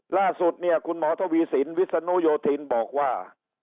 ล่าสุดเนี่ยคุณหมอทวีสินวิศนุโยธินบอกว่า